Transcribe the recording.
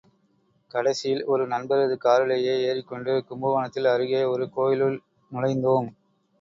கடைசியில் ஒரு நண்பரது காரிலேயே ஏறிக்கொண்டு கும்பகோணத்தில் அருகே ஒரு கோயிலுள் நுழைந்தோம்.